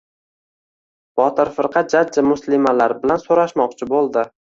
Botir firqa jajji muslimalar bilan so‘rashmoqchi bo‘ldi.